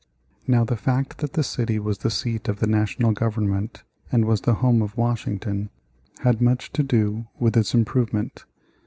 Now the fact that the city was the seat of the national government and was the home of Washington had much to do with its improvement.